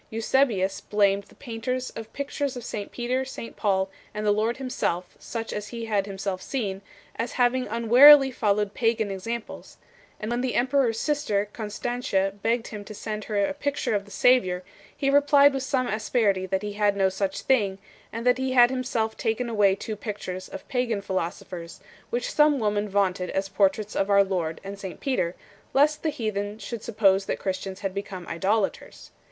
Eusebius 1 blamed the painters of pictures of St Peter, St Paul, and the Lord Himself, such as he had himself seen, as having unwarily followed pagan examples; and when the emperor s sister Constantia begged him to send her a picture of the Saviour, he replied with some asperity that he had no such thing, and that he had himself taken away two pic tures of pagan philosophers, which some woman vaunted as portraits of our Lord and St Peter, lest the heathen should suppose that Christians had become idolaters 2